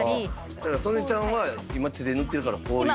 だから曽根ちゃんは今手で塗ってるからこういう状態。